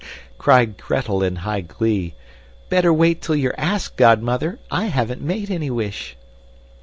cried Gretel in high glee, "better wait till you're asked, godmother. I haven't made any wish!"